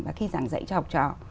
và khi giảng dạy cho học trò